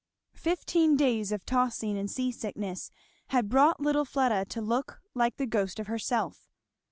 Fifteen days of tossing and sea sickness had brought little Fleda to look like the ghost of herself.